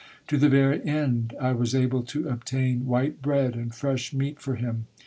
To the very end I was able to obtain white bread and fresh meat for him.